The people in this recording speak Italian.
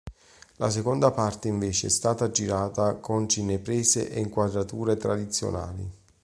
La seconda parte invece è stata girata con cineprese e inquadrature tradizionali.